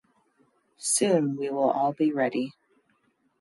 Soon we will all be ready.